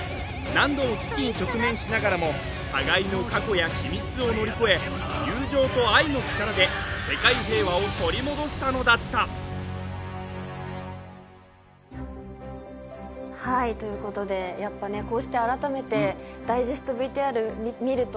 何度も危機に直面しながらも互いの過去や秘密を乗り越え友情と愛の力で世界平和を取り戻したのだったはいということでやっぱねこうして改めてダイジェストＶＴＲ見るとね